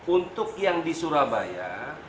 untuk yang di surabaya